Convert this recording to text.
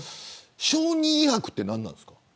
証人威迫って何なんですか。